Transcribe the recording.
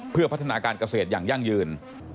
เพื่อพัฒนาการเกษตรอย่างยั่งยืน